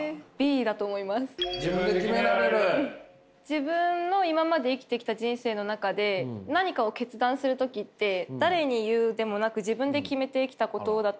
自分の今まで生きてきた人生の中で何かを決断する時って誰に言うでもなく自分で決めてきたことだったので。